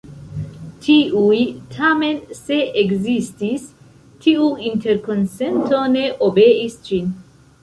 Tiuj tamen se ekzistis tiu interkonsento ne obeis ĝin.